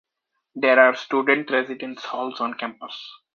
There are student residence halls on campus.